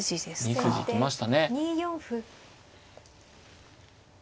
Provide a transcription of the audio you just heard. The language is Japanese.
２筋来ましたね。